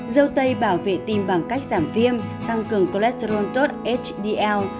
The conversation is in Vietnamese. dâu tây bảo vệ tim bằng cách giảm viêm tăng cường cholesterol tốt dl